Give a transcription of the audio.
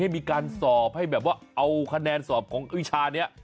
มีการสอบให้แบบว่าเอาคะแนนสอบของวิชานี้